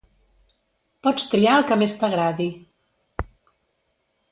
Pots triar el que més t'agradi.